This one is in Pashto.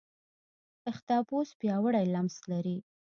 اختاپوس پیاوړی لمس لري.